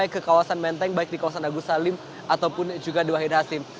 ke kawasan menteng baik di kawasan agus salim ataupun juga di wahid hasim